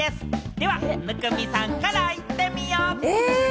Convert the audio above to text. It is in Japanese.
では生見さんからいってみよう！